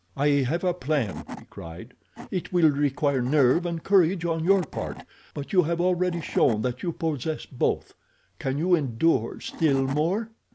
"I have a plan," he cried. "It will require nerve and courage on your part; but you have already shown that you possess both. Can you endure still more?"